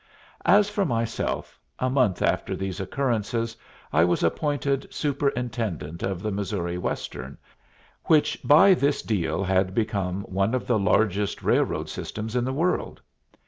As for myself, a month after these occurrences I was appointed superintendent of the Missouri Western, which by this deal had become one of the largest railroad systems in the world.